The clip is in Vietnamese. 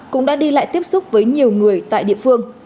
cũng đã đi lại tiếp xúc với nhiều người tại địa phương